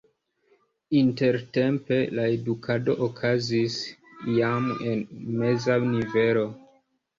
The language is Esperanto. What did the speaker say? Intertempe la edukado okazis jam en meza nivelo.